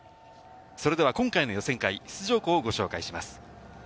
それでは今回の予選会、出場校をご紹介します。